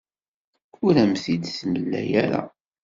Ur am-t-id-temla ara.